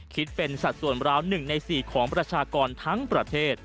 คิดเป็นสัดส่วนราว๑ใน๔ของประชากรทั้งประเทศ